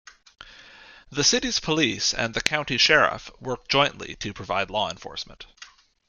The city's police and the county sheriff work jointly to provide law enforcement.